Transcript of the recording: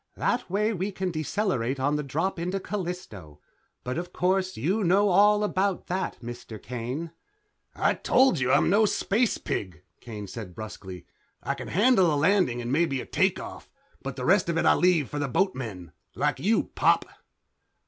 "That way we can decelerate on the drop into Callisto. But, of course, you know all about that, Mr. Kane." "I told you I'm no space pig," Kane said brusquely. "I can handle a landing and maybe a takeoff, but the rest of it I leave for the boatmen. Like you, Pop."